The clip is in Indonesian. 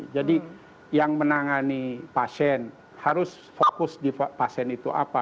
jadi yang menangani pasien harus fokus di pasien itu apa